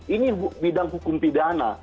ini bidang hukum pidana